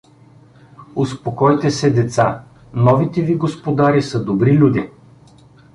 — Успокойте се, деца: новите ви господари са добри люде.